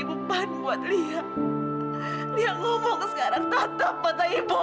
kalau lia gak bisa tetap mata ibu